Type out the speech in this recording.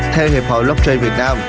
theo hiệp hội blockchain việt nam